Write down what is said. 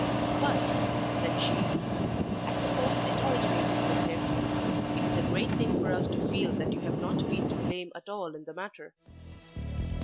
"But," said she, "I suppose it originated with him? It is a great thing for us to feel that you have not been to blame at all in the matter."